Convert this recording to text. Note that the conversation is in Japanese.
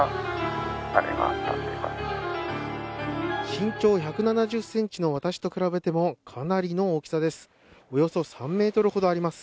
身長１７０ｃｍの私と比べてもかなりの大きさです、およそ３ｍほどあります。